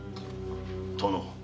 殿。